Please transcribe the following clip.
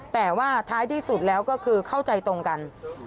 แต่ว่าท้ายที่สุดแล้วก็คือเข้าใจตรงกัน